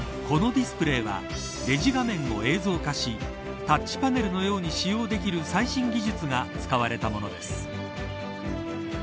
このディスプレーはレジ画面を映像化しタッチパネルのように使用できる最新技術が使われたものです。